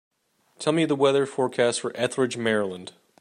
Tell me the weather forecast for Ethridge, Maryland